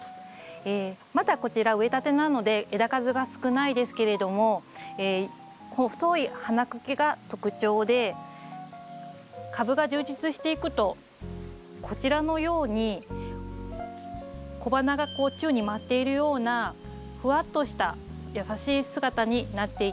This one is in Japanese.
まだこちら植えたてなので枝数が少ないですけれどもこの細い花茎が特徴で株が充実していくとこちらのように小花がこう宙に舞っているようなふわっとした優しい姿になっていきます。